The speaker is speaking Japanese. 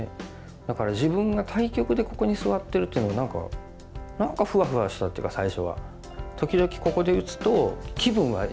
だから自分が対局でここに座ってるっていうのは何かふわふわしたっていうか最初は。